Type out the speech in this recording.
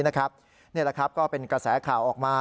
นี่แหละครับก็เป็นกระแสข่าวออกมา